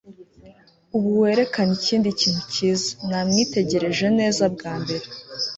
ubu werekane ikindi kintu cyiza. namwitegereje neza bwa mbere